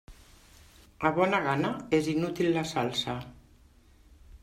A bona gana, és inútil la salsa.